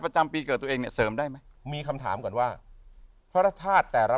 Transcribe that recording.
ประจำปีเกิดตัวเองเนี่ยเสริมได้ไหมมีคำถามก่อนว่าพระธาตุแต่ละ